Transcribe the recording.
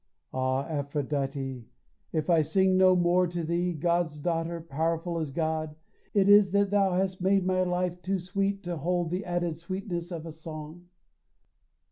Ah, Aphrodite, if I sing no more To thee, God's daughter, powerful as God, It is that thou hast made my life too sweet To hold the added sweetness of a song.